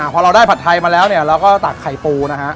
พอเราได้ผัดไทยมาแล้วเนี่ยเราก็ตักไข่ปูนะฮะ